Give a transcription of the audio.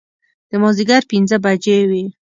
د مازدیګر پنځه بجې وې.